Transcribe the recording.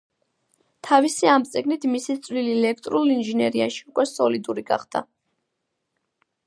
თავისი ამ წიგნით მისი წვლილი ელექტრულ ინჟინერიაში უკვე სოლიდური გახდა.